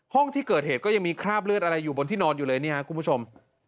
ห้องที่เกิดเหตุก็ยังมีคราบเลือดอะไรอยู่บนที่นอนอยู่เลยเนี่ยครับคุณผู้ชม